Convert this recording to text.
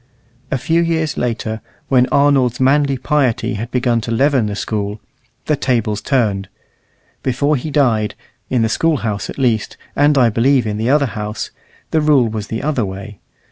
A few years later, when Arnold's manly piety had begun to leaven the School, the tables turned; before he died, in the School house at least, and I believe in the other house, the rule was the other way.